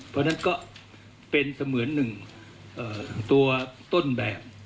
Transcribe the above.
เพราะฉะนั้นก็เป็นเสมือนหนึ่งตัวต้นแบบ